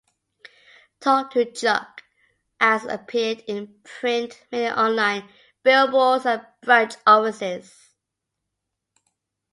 "Talk to Chuck" ads appeared in print media, online, billboards, and branch offices.